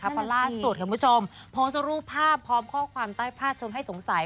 เพราะล่าสุดคุณผู้ชมโพสต์รูปภาพพร้อมข้อความใต้ภาพชนให้สงสัย